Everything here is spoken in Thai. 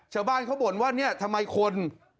ชาวบ้านเขาบ่นว่าทำไมคน